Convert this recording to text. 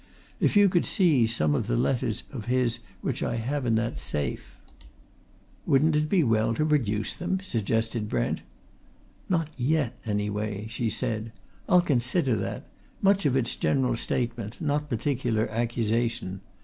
If you could see some of the letters of his which I have in that safe " "Wouldn't it be well to produce them?" suggested Brent. "Not yet anyway," she said. "I'll consider that much of it's general statement, not particular accusation.